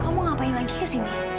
kamu ngapain lagi ke sini